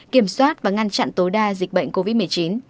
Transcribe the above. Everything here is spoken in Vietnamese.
kiểm soát và ngăn chặn tối đa dịch bệnh covid một mươi chín